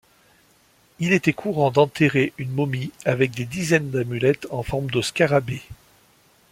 Il était courant d'enterrer une momie avec des dizaines d'amulettes en forme de scarabée.